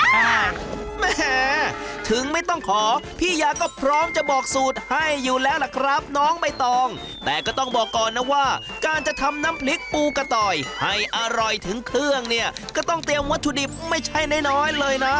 แหมถึงไม่ต้องขอพี่ยาก็พร้อมจะบอกสูตรให้อยู่แล้วล่ะครับน้องใบตองแต่ก็ต้องบอกก่อนนะว่าการจะทำน้ำพริกปูกระต่อยให้อร่อยถึงเครื่องเนี่ยก็ต้องเตรียมวัตถุดิบไม่ใช่น้อยน้อยเลยนะ